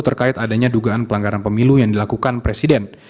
terkait adanya dugaan pelanggaran pemilu yang dilakukan presiden